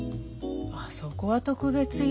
あそこは特別よ。